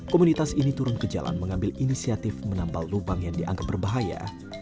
komunitas ini turun ke jalan mengambil inisiatif menampal lubang yang dianggap berbahaya